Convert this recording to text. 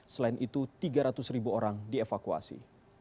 selain itu tiga ratus ribu orang dievakuasi